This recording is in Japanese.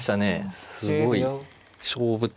すごい勝負手。